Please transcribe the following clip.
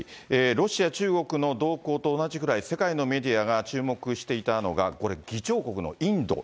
ロシア、中国の動向と同じくらい世界のメディアが注目していたのが、これ、議長国のインド。